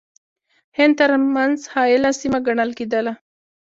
هند ترمنځ حایله سیمه ګڼله کېدله.